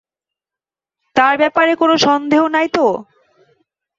তার ব্যাপারে কোন সন্দেহ নাই তো?